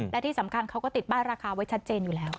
และที่สำคัญเขาก็ติดป้ายราคาไว้ชัดเจนอยู่แล้ว